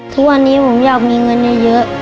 ทุกวันนี้ผมอยากมีเงินเยอะ